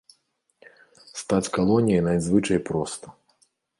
Стаць калоніяй надзвычай проста.